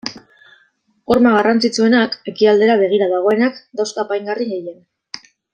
Horma garrantzitsuenak, ekialdera begira dagoenak, dauzka apaingarri gehien.